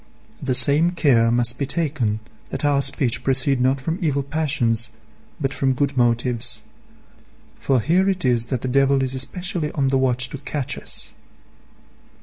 The same care must be taken that our speech proceed not from evil passions, but from good motives; for here it is that the devil is especially on the watch to catch us.